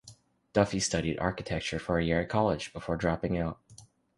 Duffy studied architecture for a year at college, before dropping out.